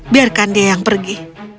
biarkan dia yang pergi